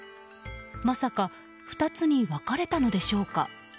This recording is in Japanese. まさか２つに分かれたのでしょうか。